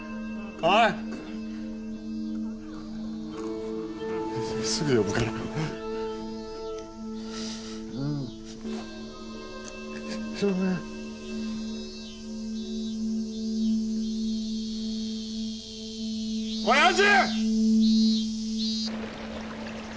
おやじ！